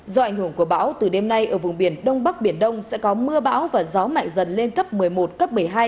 do ảnh hưởng của bão từ đêm nay ở vùng biển đông bắc biển đông sẽ có mưa bão và gió mạnh dần lên cấp một mươi một cấp một mươi hai